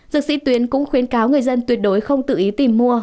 dược sĩ tuyến cũng khuyến cáo người dân tuyệt đối không tự ý tìm mua